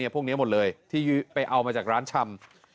พวกนี้หมดเลยที่ไปเอามาจากร้านชำ